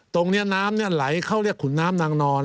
ตรงนี้น้ำไหลเข้าเรียกขุนน้ำนางนอน